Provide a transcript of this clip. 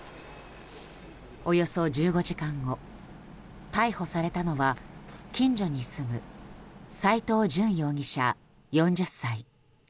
およそ１５時間後逮捕されたのは近所に住む斎藤淳容疑者、４０歳。